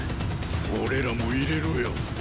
俺らも入れろよ。